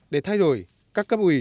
để thay đổi các cấp ủy